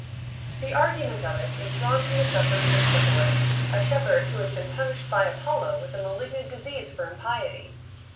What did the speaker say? The argument of it is drawn from the sufferings of Syphilus, a shepherd who has been punished by Apollo with a malignant disease for impiety.